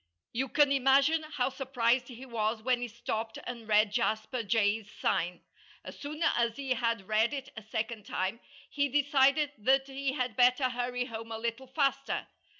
You can imagine how surprised he was when he stopped and read Jasper Jay's sign. As soon as he had read it a second time he decided that he had better hurry home a little faster.